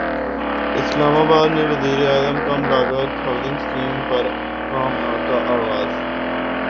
اسلام اباد میں وزیراعظم کم لاگت ہاسنگ اسکیم پر کام کا اغاز